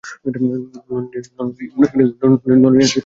নলিনের আবার বিরক্তি!